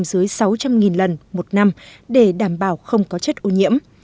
họ có thể tìm ra những nơi không dưới sáu trăm linh lần một năm để đảm bảo không có chất ô nhiễm